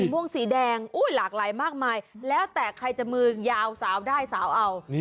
ม่วงสีแดงหลากหลายมากมายแล้วแต่ใครจะมือยาวสาวได้สาวเอา